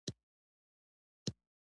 د پچیر اګام غرونه لري